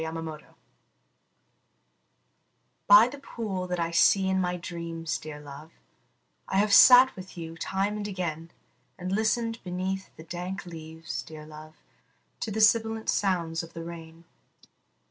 THE POOL By the pool that I see in my dreams, dear love, I have sat with you time and again; And listened beneath the dank leaves, dear love, To the sibilant sound of the rain.